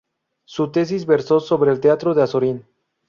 Su tesis versó sobre el Teatro de Azorín.